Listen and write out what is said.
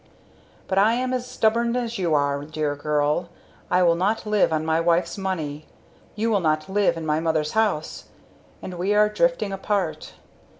"But I am as stubborn as you are, dear girl; I will not live on my wife's money you will not live in my mother's house and we are drifting apart.